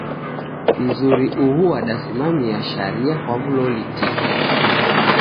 Mzuri uhu wadasimamia sharia kwa wuloli tiki.